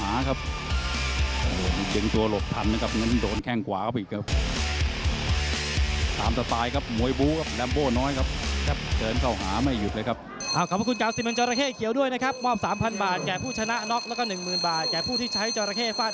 อายุไปถึง๒๐แล้วครับประมาณ๑๕๑๖แล้วนะพี่ฟ้า